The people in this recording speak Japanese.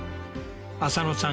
浅野さん